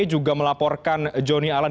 juga melaporkan joni alan